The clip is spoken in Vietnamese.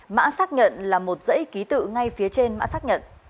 mã xác nhận là một dãy ký tự ngay phía trên mã xác nhận